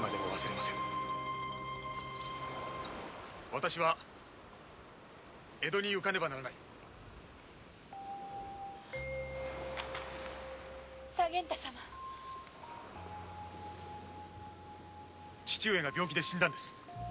私は江戸に行かねばな左源太様父上が病気で死んだんです